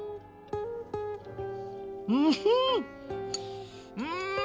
うふうん！